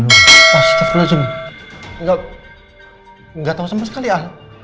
ga tau mama ga